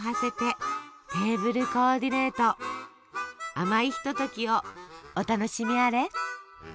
甘いひとときをお楽しみあれ。